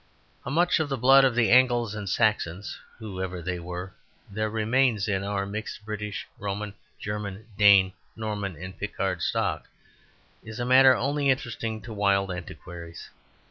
How much of the blood of the Angles and Saxons (whoever they were) there remains in our mixed British, Roman, German, Dane, Norman, and Picard stock is a matter only interesting to wild antiquaries.